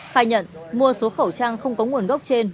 khai nhận mua số khẩu trang không có nguồn gốc trên